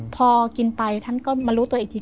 พอกินไปท่านก็มารู้ตัวอีกที